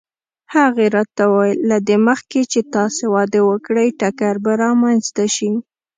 هغې راته وویل: له دې مخکې چې تاسې واده وکړئ ټکر به رامنځته شي.